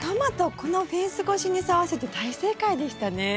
このフェンス越しに沿わせて大正解でしたね。